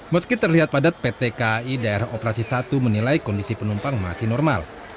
meski terlihat padat pt kai daerah operasi satu menilai kondisi penumpang masih normal